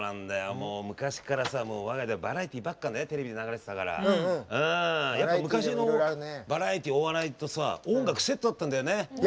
昔では我が家ではバラエティーばっかテレビで流れてたから昔のバラエティー、お笑いと音楽はセットだったんだよね。